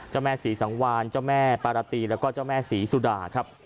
เจ้าแม่ศรีสังวานเจ้าแม่ปารตีแล้วก็เจ้าแม่ศรีสุดาครับ